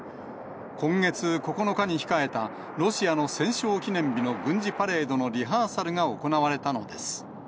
今月９日に控えたロシアの戦勝記念日の軍事パレードのリハーサルが行われたのです。